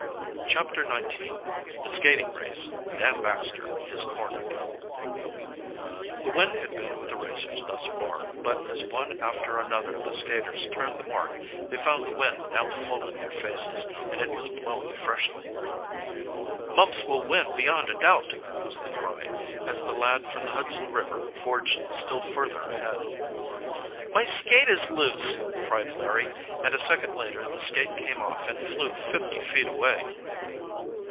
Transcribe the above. CHAPTER XIX THE SKATING RACE DAN BAXTER IS CORNERED The wind had been with the racers thus far, but as one after another of the skaters turned the mark they found the wind now full in their faces, and it was blowing freshly. "Mumps will win beyond a doubt!" was the cry, as the lad from the Hudson River forged still further ahead. "My skate is loose!" cried Larry, and a second later the skate came off and flew fifty feet away.